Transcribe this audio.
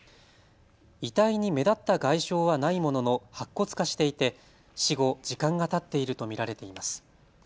遺体に目立った外傷はないものの白骨化していて死後、時間がたっていると見られています。